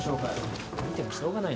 見てもしょうがないな。